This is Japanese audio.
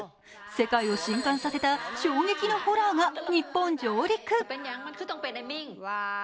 世界を震撼させた衝撃のホラーが日本上陸！